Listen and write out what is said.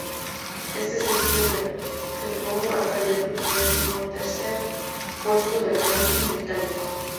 Este sencillo trepó hasta el decimotercer puesto del ranking británico.